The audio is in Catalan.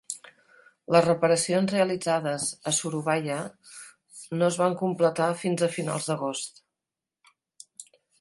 Les reparacions realitzades a Surabaya, no es van completar fins a finals d'agost.